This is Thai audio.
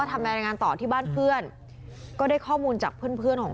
ทำแรงงานต่อที่บ้านเพื่อนก็ได้ข้อมูลจากเพื่อนของ